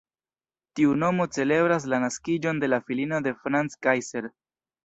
Tiu nomo celebras la naskiĝon de la filino de Franz Kaiser.